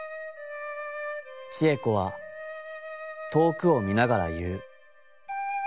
智恵子は遠くを見ながら言ふ。